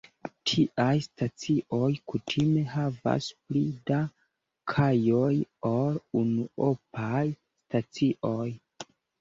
Tiaj stacioj kutime havas pli da kajoj ol unuopaj stacioj.